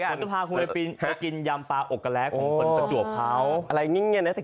เราจะพาคุณไว้ชินยำปลาอกแกะแรก